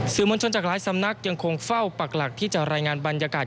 มวลชนจากหลายสำนักยังคงเฝ้าปักหลักที่จะรายงานบรรยากาศ